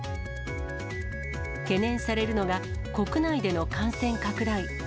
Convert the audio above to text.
懸念されるのが国内での感染拡大。